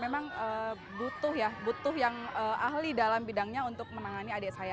memang butuh ya butuh yang ahli dalam bidangnya untuk menangani adik saya